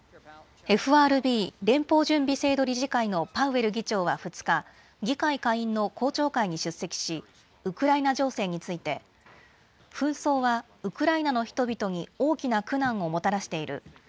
ＦＲＢ・連邦準備制度理事会のパウエル議長は２日、議会下院の公聴会に出席し、ウクライナ情勢について、紛争はウクライナの人々に大きな苦難をもたらしている。